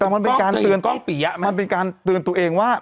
มันเป็นการเตือนตัวเองว่า